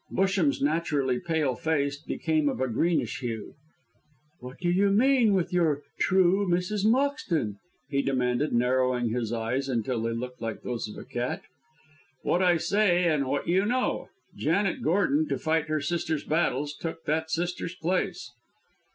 Busham's naturally pale face became of a greenish hue. "What do you mean with your 'true Mrs. Moxton?'" he demanded, narrowing his eyes until they looked like those of a cat. "What I say, and what you know. Janet Gordon, to fight her sister's battles, took that sister's place."